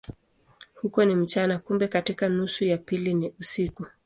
Huko ni mchana, kumbe katika nusu ya pili ni usiku.